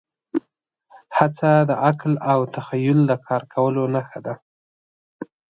هڅه د عقل او تخیل د کار کولو نښه ده.